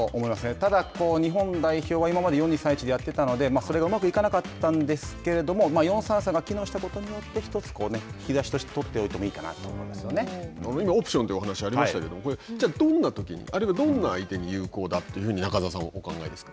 ただ、日本代表は今まで４・２・３・１でやってたのでそれがうまくいかなかったんですけど４・３・３が機能したことで１つとして取っておいてもいいかなとオプションという話がありましたけどどんなときにあるいはどんな相手に有効だと中澤さんはお考えですか。